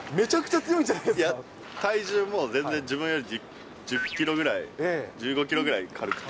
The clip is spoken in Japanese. いや、体重も全然自分より１０キロぐらい、１５キロぐらい軽くて。